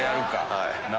はい。